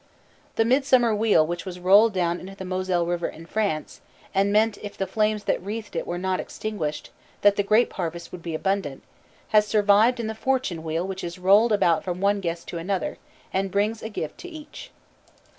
The Midsummer wheel which was rolled down into the Moselle River in France, and meant, if the flames that wreathed it were not extinguished, that the grape harvest would be abundant, has survived in the fortune wheel which is rolled about from one guest to another, and brings a gift to each.